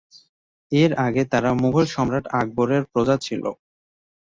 এর আগে তারা মুঘল সম্রাট আকবরের প্রজা ছিল।